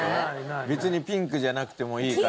別にピンクじゃなくてもいいから。